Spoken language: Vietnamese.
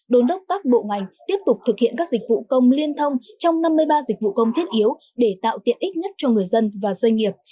bộ trưởng tô lâm đề nghị các bộ ngành tiếp tục thực hiện các dịch vụ công liên thông trong năm mươi ba dịch vụ công thiết yếu để tạo tiện ích nhất cho người dân và doanh nghiệp